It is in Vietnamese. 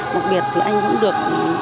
đặc biệt thì anh cũng được